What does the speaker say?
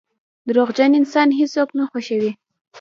• دروغجن انسان هیڅوک نه خوښوي.